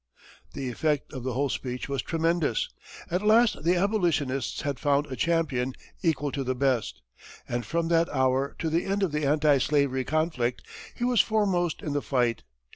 The effect of the whole speech was tremendous. At last the abolitionists had found a champion equal to the best, and from that hour to the end of the anti slavery conflict, he was foremost in the fight.